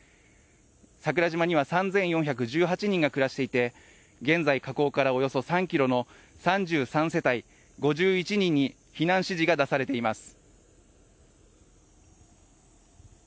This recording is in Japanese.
桜島には３４１８人が暮らしていて、現在、火口からおよそ３ｋｍの３３世帯５１人に避難指示が出されています。